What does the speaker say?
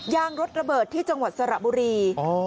ยางรถระเบิดที่จังหวัดสระบุรี